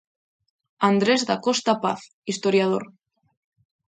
Andrés Dacosta Paz, historiador.